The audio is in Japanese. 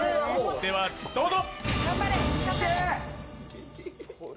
ではどうぞ！